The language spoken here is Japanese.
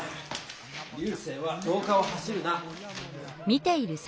流星はろうかを走るな。